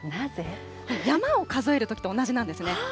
山を数えるときと同じなんですね。